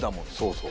そう。